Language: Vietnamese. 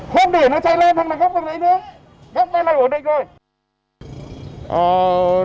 không để nó chạy lên hơn là góc ở đấy nữa góc bên này ở đây thôi